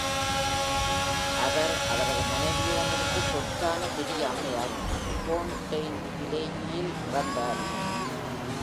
அவர் அவரது மனைவியிடம் இருந்து தொற்றான பெரிய அம்மையால் ஃபோன்டெயின்பிலேயுயில் இறந்தார்.